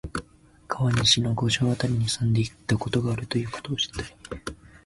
川西の五条あたりに住んでいたことがあるということを知ったり、